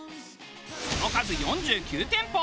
その数４９店舗。